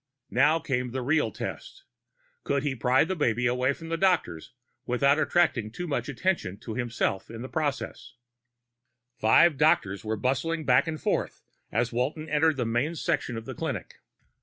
Now came the real test: could he pry the baby away from the doctors without attracting too much attention to himself in the process? Five doctors were bustling back and forth as Walton entered the main section of the clinic.